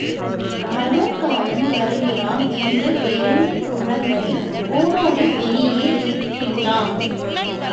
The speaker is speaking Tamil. பலூன்காரன் வருகிறான்! என்று தெரிந்து குழந்தை ஓடோடி வெளியே நிற்கிறான்.